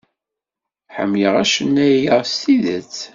Ḥemmleɣ acennay-a s tidet.